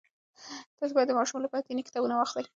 تاسې باید د ماشومانو لپاره دیني کتابونه واخلئ.